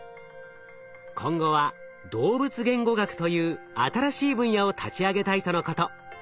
今後は動物言語学という新しい分野を立ち上げたいとのこと。